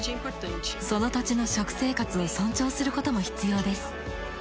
その土地の食生活を尊重することも必要です。